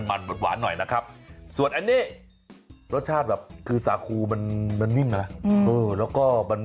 ข้างบัวแห่งสันยินดีต้อนรับทุกท่านนะครับ